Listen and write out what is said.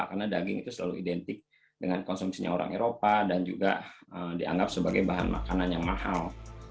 karena daging itu selalu identik dengan konsumsinya orang eropa dan juga dianggap sebagai bahan makanan yang mahal